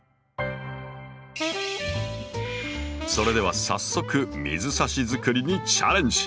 それでは早速水挿し作りにチャレンジ。